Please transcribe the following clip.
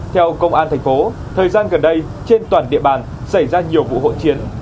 theo công an thành phố thời gian gần đây trên toàn địa bàn xảy ra nhiều vụ hỗn chiến